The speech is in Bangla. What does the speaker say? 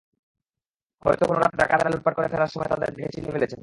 হয়তো কোনো রাতে ডাকাতরা লুটপাট করে ফেরার সময় তাদের দেখে চিনে ফেলেছেন।